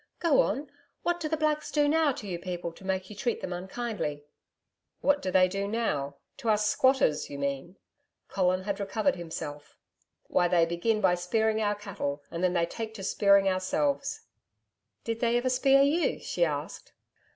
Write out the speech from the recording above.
'Go on. What do the Blacks do now to you people to make you treat them unkindly?' 'What do they do now to us squatters you mean?' Colin had recovered himself. 'Why they begin by spearing our cattle and then they take to spearing ourselves.' 'Did they ever spear you?' she asked.